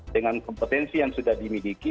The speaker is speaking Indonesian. dengan kompetensi yang sudah dimiliki